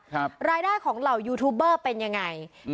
รายได้ของเหล่ายูทูบเบอร์เป็นยังไงอืม